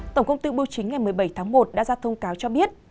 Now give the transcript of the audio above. tổng công ty bưu chính ngày một mươi bảy tháng một đã ra thông cáo cho biết